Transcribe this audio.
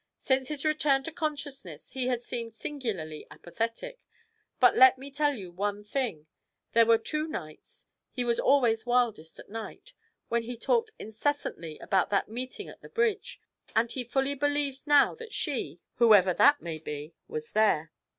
Since his return to consciousness he has seemed singularly apathetic, but let me tell you one thing: there were two nights he was always wildest at night when he talked incessantly about that meeting at the bridge, and he fully believes now that she, whoever that may be, was there.